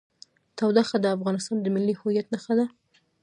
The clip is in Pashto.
تودوخه د افغانستان د ملي هویت نښه ده.